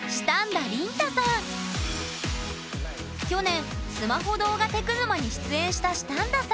去年「スマホ動画テク沼」に出演したシタンダさん